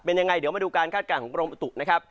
เป็นยังไงเดี๋ยวมาดูการคาดการณ์ของกรมอุตุนะครับ